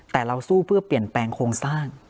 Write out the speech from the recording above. แต่เราสู้เพื่อเปลี่ยนแปลงโครงสร้าง